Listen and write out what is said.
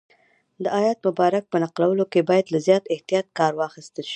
د آیت مبارک په نقلولو کې باید له زیات احتیاط کار واخیستل شي.